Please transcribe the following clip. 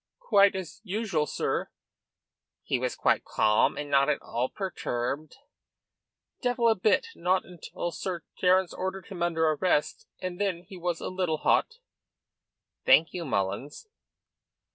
"Quite as usual, sir." "He was quite calm, not at all perturbed?" "Devil a bit; not until Sir Terence ordered him under arrest, and then he was a little hot." "Thank you, Mullins."